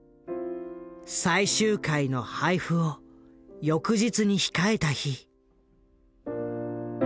最終回の配布を翌日に控えた日。